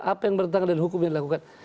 apa yang bertentangan dengan hukum yang dilakukan